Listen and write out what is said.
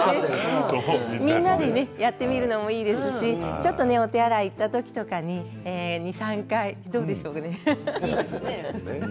みんなやってみるのもいいですし、ちょっとお手洗いに行った時に２、３回どうでしょうかね。